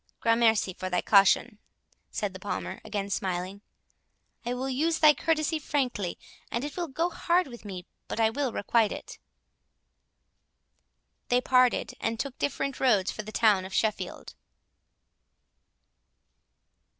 "Gramercy for thy caution," said the Palmer, again smiling; "I will use thy courtesy frankly, and it will go hard with me but I will requite it." They parted, and took different roads for the town of Sheffield.